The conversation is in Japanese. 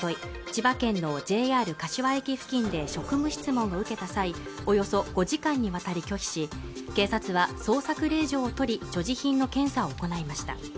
千葉県のＪＲ柏駅付近で職務質問を受けた際およそ５時間にわたり拒否し警察は捜索令状を取り所持品の検査を行いました